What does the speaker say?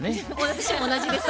私も同じです。